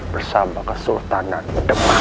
bersama kesultanan demak